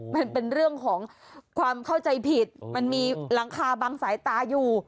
มันเป็นเรื่องของความเข้าใจผิดมันมีหลังคาบางสายตาอยู่